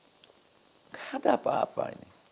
tidak ada apa apa